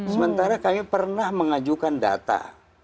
sementara kami pernah mengajukan data